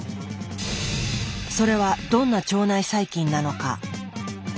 それはどんな腸内細菌なのか。